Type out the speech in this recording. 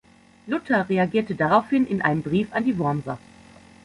Luther reagierte daraufhin in einem Brief an die Wormser.